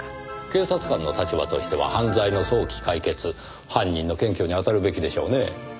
警察官の立場としては犯罪の早期解決犯人の検挙に当たるべきでしょうねぇ。